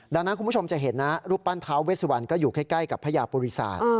ดังนั้นคุณผู้ชมจะเห็นนะรูปปั้นท้าเวสวันก็อยู่ใกล้กับพญาปุริศาสตร์